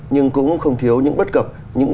nhưng cũng không thiếu những bất cập những